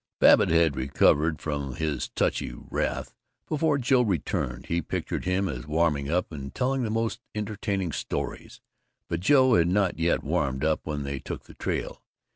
Babbitt had recovered from his touchy wrath before Joe returned. He pictured him as warming up and telling the most entertaining stories. But Joe had not yet warmed up when they took the trail.